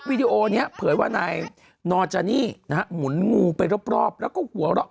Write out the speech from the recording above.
วิดีโอนี้เผยว่านายนอร์จานี่นะฮะหมุนงูไปรอบแล้วก็หัวเราะ